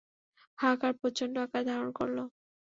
হাহাকার প্রচণ্ড আকার ধারণ করল।